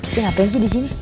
ini ngapain sih di sini